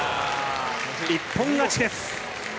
一本勝ちです。